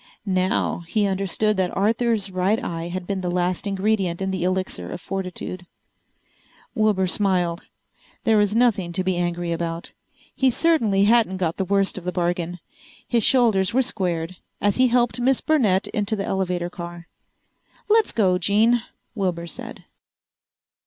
Now he understood that Arthur's right eye had been the last ingredient in the Elixir of Fortitude! Wilbur smiled. There was nothing to be angry about. He certainly hadn't got the worst of the bargain! His shoulders were squared as he helped Miss Burnett into the elevator car. "Let's go, Jean," Wilbur said.